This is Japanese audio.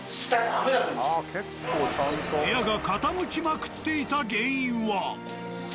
部屋が傾きまくっていた原因は。